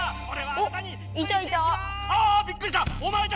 ああびっくりした！